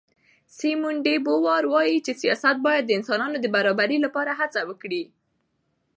سیمون ډي بووار وایي چې سیاست باید د انسانانو د برابرۍ لپاره هڅه وکړي.